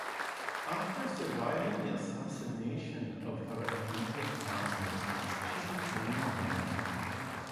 After surviving the assassination of her immediate family, she became a nun.